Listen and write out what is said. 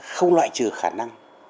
không loại trừ khả năng